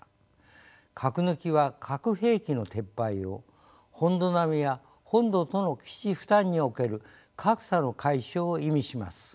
「核抜き」は核兵器の撤廃を「本土並み」は本土との基地負担における格差の解消を意味します。